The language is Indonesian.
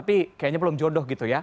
bukan jodoh gitu ya